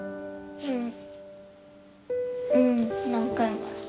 うん。